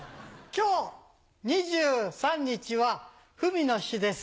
今日２３日はふみの日です。